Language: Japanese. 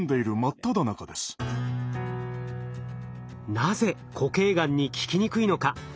なぜ固形がんに効きにくいのか。